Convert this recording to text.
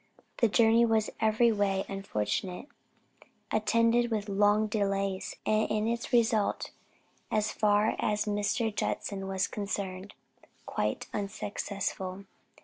The journey was every way unfortunate; attended with long delays, and in its result, as far as Mr. Judson was concerned, quite unsuccessful.